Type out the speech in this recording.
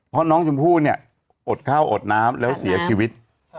เพราะน้องชมพู่เนี่ยอดข้าวอดน้ำแล้วเสียชีวิต